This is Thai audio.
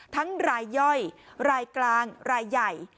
รายย่อยรายกลางรายใหญ่